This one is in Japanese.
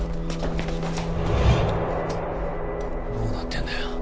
どうなってんだよ。